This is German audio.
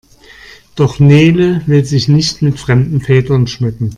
Doch Nele will sich nicht mit fremden Federn schmücken.